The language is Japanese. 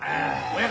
親方。